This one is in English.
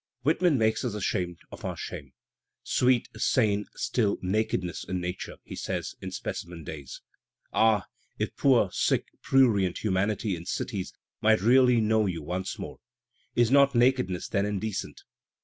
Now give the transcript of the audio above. Whitman makes us ashamed ; of our shame. "Sweet, sane still Nakedness in Nature," he says in "Specimen Days" — "Ah, if poor, sick, prurient ' humanity in cities might really know you once more! Is not nakedness then indecent?